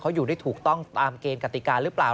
เขาอยู่ได้ถูกต้องตามเกณฑ์กติกาหรือเปล่า